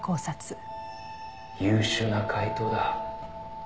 「優秀な解答だ」